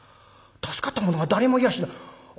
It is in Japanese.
助かった者は誰もいやしない。